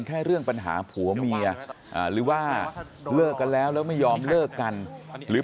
เรื่องปัญหาผัวเมียหรือว่าเลิกกันแล้วแล้วไม่ยอมเลิกกันหรือ